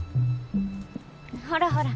ほらほら。